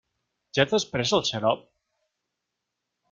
Ja t'has pres el xarop?